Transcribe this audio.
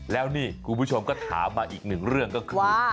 แล้วนี่คุณผู้ชมก็ถามมาอีกหนึ่งเรื่องก็คือ